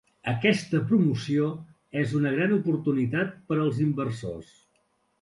Aquesta promoció és una gran oportunitat per als inversors.